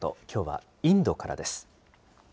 きょうはインドからです。